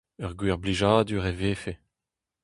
Ur gwir blijadur e vefe.